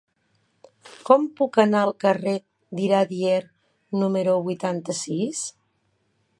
Com puc anar al carrer d'Iradier número vuitanta-sis?